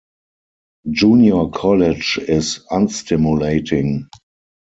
Junior college is unstimulating.